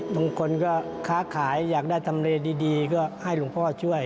บางคนก็ค้าขายอยากได้ทำเลดีก็ให้หลวงพ่อช่วย